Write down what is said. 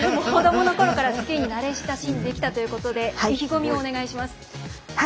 子どものころからスキーに慣れ親しんできたということで意気込みをお願いします。